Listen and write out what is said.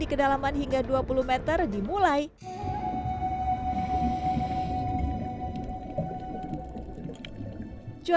teman teman saya akan mengajak anda untuk melihat keindahan bawah laut di maratua